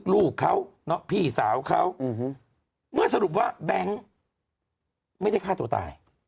ลูกเขาพี่สาวเขาเมื่อสรุปว่าแบงค์ไม่ได้ฆ่าตัวตาย